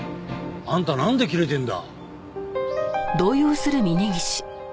あんたなんでキレてんだ？